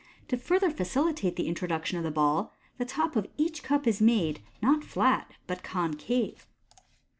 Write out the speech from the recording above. To further facili tate the introduction of the ball, the top of each cup is made, not 276 MODERN MA GIC. flat, but concave.